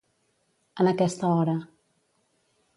En aquesta hora.